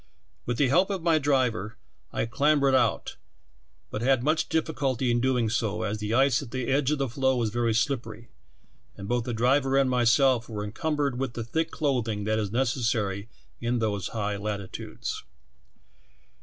With the help of my driver I clambered out, but had much 44 THE Talking hajIdkerchiEE. difficulty in doing so, as tlie ice at the edge of the floe was very slippery, and both the driver and myself were encumbered with the thick clothing that is necessary in those high latitudes.